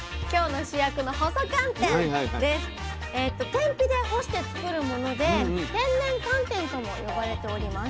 天日で干して作るもので「天然寒天」とも呼ばれております。